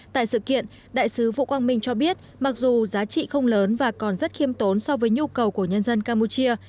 tại sự kiện đại sứ vũ quang minh cho biết mặc dù giá trị không lớn và còn rất khiêm tốn so với nhu cầu của nhân dân campuchia